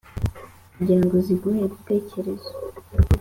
kugira ngo ziguhe ibitekerezo